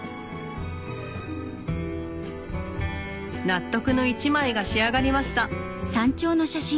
納得の一枚が仕上がりました